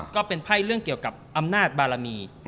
ก็เป็นไพ่เรื่องเกี่ยวกับอำนาจบารมี